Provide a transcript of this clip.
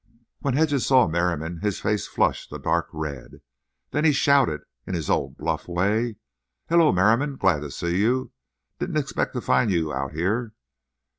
When Hedges saw Merriam his face flushed a dark red. Then he shouted in his old, bluff way: "Hello, Merriam. Glad to see you. Didn't expect to find you out here.